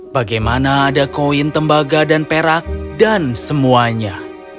bagaimana ada koin tembaga dan perak dan semuanya